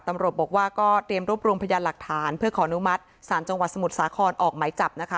ตำรวจบอกว่าก็เตรียมรวบรวมพยานหลักฐานเพื่อขออนุมัติศาลจังหวัดสมุทรสาครออกไหมจับนะคะ